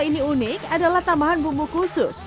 ini unik adalah tambahan bumbu khusus